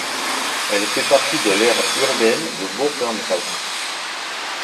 Elle fait partie de l'aire urbaine de Bourg-en-Bresse.